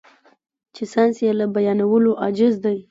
چې ساينس يې له بيانولو عاجز دی.